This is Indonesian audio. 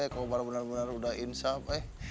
kobar benar benar sudah insaf